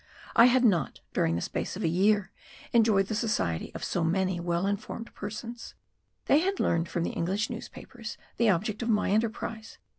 I had not, during the space of a year, enjoyed the society of so many well informed persons. They had learned from the English newspapers the object of my enterprise.